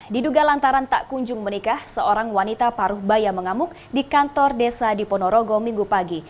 diduga lantaran tak kunjung menikah seorang wanita paruh baya mengamuk di kantor desa di ponorogo minggu pagi